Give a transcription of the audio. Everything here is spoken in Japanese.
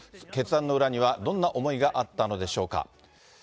決断の裏にはどんな思いがあったのでしょうか。